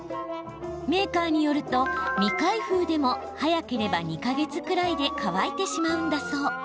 メーカーによると、未開封でも早ければ２か月くらいで乾いてしまうんだそう。